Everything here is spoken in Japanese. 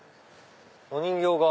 お人形が。